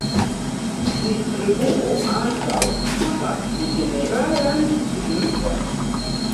Distribuo ankaŭ havas ĝeneralan signifon.